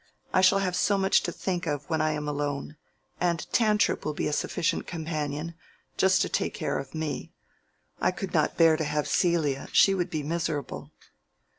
I shall have so much to think of when I am alone. And Tantripp will be a sufficient companion, just to take care of me. I could not bear to have Celia: she would be miserable."